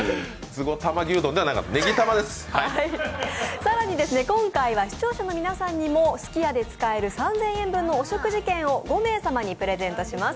更に今回は視聴者の皆さんにもすき家で使える３０００円分のお食事券を５名様にプレゼントします。